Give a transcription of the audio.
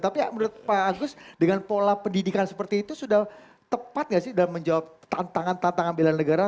tapi menurut pak agus dengan pola pendidikan seperti itu sudah tepat gak sih dalam menjawab tantangan tantangan bela negara